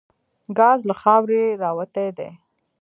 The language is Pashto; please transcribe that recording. ګاز له خاورو راوتي دي.